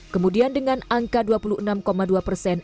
kemudian dengan angka dua puluh enam dua persen